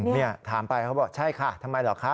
นี่ถามไปเขาบอกใช่ค่ะทำไมเหรอคะ